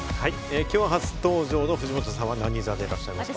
今日、初登場の藤本さんは何座でいらっしゃいますか？